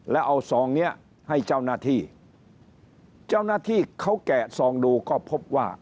แล้วเอาซองเนี้ยให้เจ้าหน้าที่เจ้าหน้าที่เขาแกะซองดูก็พบว่า